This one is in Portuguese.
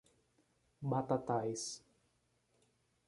Batatais